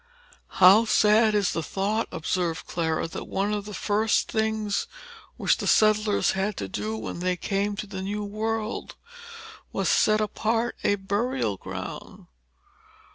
"How sad is the thought," observed Clara, "that one of the first things which the settlers had to do, when they came to the new world, was to set apart a burial ground!"